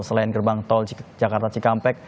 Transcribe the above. selain gerbang tol jakarta cikampek